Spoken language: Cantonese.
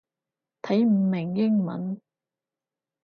睇唔明英文